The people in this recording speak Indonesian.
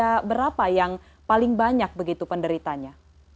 rentang usia berapa yang paling banyak begitu penderitanya